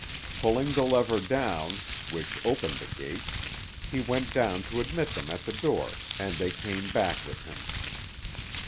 Pulling the lever down, which opened the gate, he went down to admit them at the door, and they came back with him.